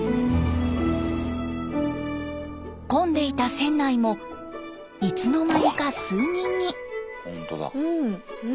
混んでいた船内もいつの間にか数人に。